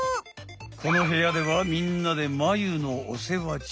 このへやではみんなでマユのお世話中。